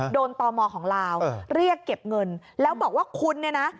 ตมของลาวเรียกเก็บเงินแล้วบอกว่าคุณเนี่ยนะ